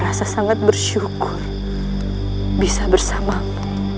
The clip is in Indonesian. rasa sangat bersyukur bisa bersamamu